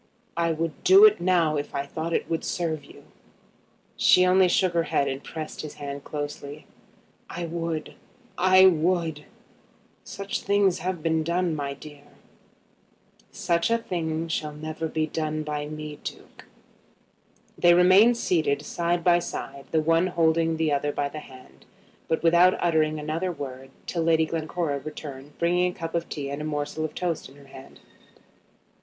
"I would do it now if I thought it would serve you." She only shook her head and pressed his hand closely. "I would; I would. Such things have been done, my dear." [Illustration: "I would; I would."] "Such a thing shall never be done by me, Duke." They remained seated side by side, the one holding the other by the hand, but without uttering another word, till Lady Glencora returned bringing a cup of tea and a morsel of toast in her own hand.